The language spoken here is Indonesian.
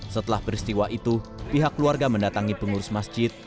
setelah peristiwa itu pihak keluarga mendatangi pengurus masjid